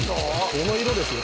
この色ですよ